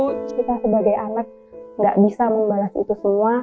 kita sebagai anak nggak bisa membalas itu semua